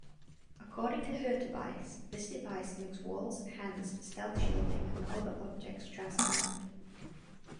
According to Hurtubise, this device makes walls, hands, stealth shielding, and other objects transparent.